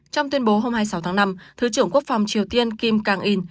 trong tuyên bố hôm hai mươi sáu tháng năm thứ trưởng quốc phòng triều tiên kim càng in